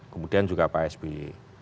kemudian juga pak sby